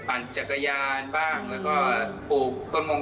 ปัดจักรยานบ้าง